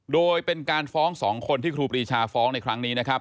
โดยเป็นการฟ้องสองคนที่ครูปรีชาฟ้องในครั้งนี้นะครับ